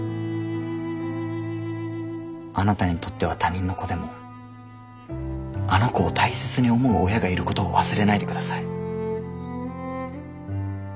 あなたにとっては他人の子でもあの子を大切に思う親がいることを忘れないで下さい。